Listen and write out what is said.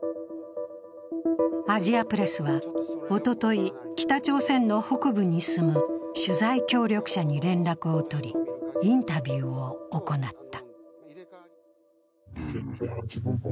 アジアプレスはおととい、北朝鮮の北部に住む取材協力者に連絡を取り、インタビューを行った。